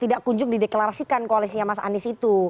tidak kunjung di deklarasikan koalisinya mas anis itu